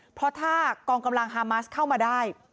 เพราะถ้ากองกำลังฮามาสเข้ามาได้